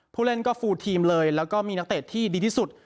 ผู้เล่นก็ฟูลทีมเลยแล้วก็มีนักเตะที่ดีที่สุด